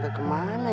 silahkan makan bu